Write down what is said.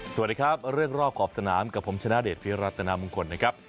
สวัสดีครับเรื่องรอบขอบสนามกับผมชนะเดชพิรัตนามงคลนะครับ